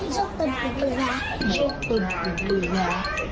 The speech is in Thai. ชกตุ่นปูปลาร้า